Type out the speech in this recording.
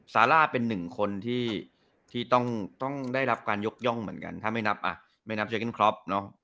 ซาร่าเป็นหนึ่งคนที่ต้องได้รับการยกย่องเหมือนกันถ้าไม่นับอ่ะไม่นับเจอกันครอป